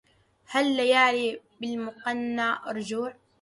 هل ليالي بالمنقى رجوع